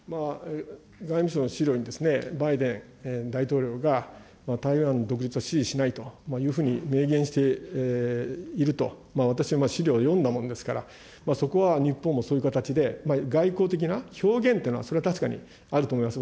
外務省の資料にバイデン大統領が台湾独立は支持しないというふうに明言していると私は資料は読んだものですから、そこは日本もそういう形で、外交的な表現というのはそれは確かにあると思います。